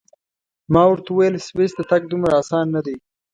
ما ورته وویل: سویس ته تګ دومره اسان نه دی.